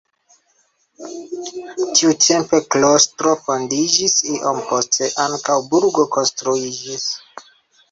Tiutempe klostro fondiĝis, iom poste ankaŭ burgo konstruiĝis.